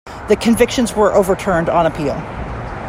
The convictions were overturned on appeal.